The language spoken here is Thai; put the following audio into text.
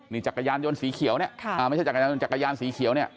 นี่จักรยานยนต์สีเขียวเนี่ยไม่ใช่จักรยานยนจักรยานสีเขียวเนี่ย